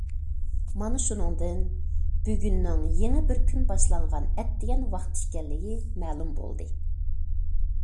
مانا شۇنىڭدىن بۈگۈننىڭ يېڭى بىر كۈن باشلانغان ئەتىگەن ۋاقتى ئىكەنلىكى مەلۇم بولدى.